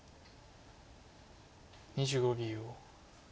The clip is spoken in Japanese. ２５秒。